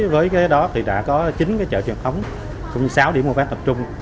với đó thì đã có chín chợ truyền thống cũng như sáu điểm mô phát tập trung